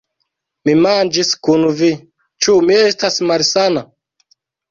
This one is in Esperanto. Mi manĝis kun vi; ĉu mi estas malsana?